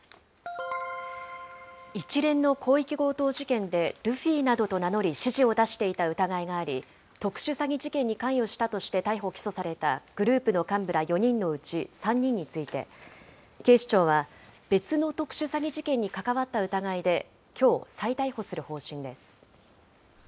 一連の広域強盗事件で、ルフィなどと名乗り指示を出していた疑いがあり、特殊詐欺事件に関与したとして逮捕・起訴されたグループの幹部ら４人のうち３人について、警視庁は、別の特殊詐欺事件に関わった疑いできょう、再逮捕する方針です。